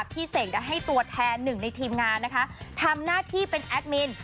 เสกได้ให้ตัวแทนหนึ่งในทีมงานนะคะทำหน้าที่เป็นแอดมิน